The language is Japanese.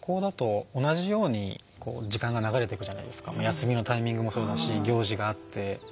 休みのタイミングもそうだし行事があって。